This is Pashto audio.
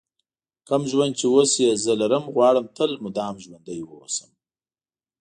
کوم ژوند چې اوس یې زه لرم غواړم تل مدام ژوندی ووسم.